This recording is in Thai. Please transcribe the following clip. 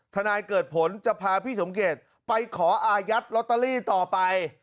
นายเกิดผลจะพาพี่สมเกตไปขออายัดลอตเตอรี่ต่อไป